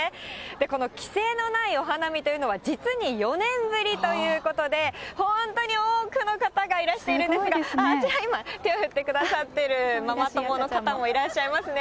この規制のないお花見というのは、実に４年ぶりということで、本当に多くの方がいらしているんですが、あちら、今手を振ってくださっているママ友の方もいらっしゃいますね。